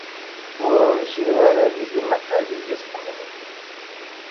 Ur rjiɣ ara deg-m ad iyi-tḥemmleḍ.